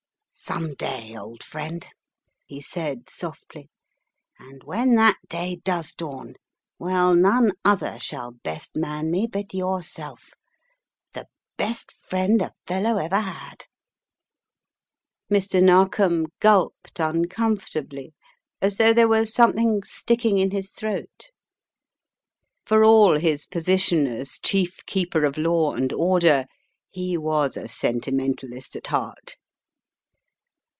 "Some day, old friend/' he said, softly, "and when that day does dawn, well, none other shall best man me but yourself — the — the best friend a fellow ever had." Mr. Narkom gulped uncomfortably as though there were something sticking in his throat. For all his position as chief keeper of law and order, he was a sentimentalist at heart.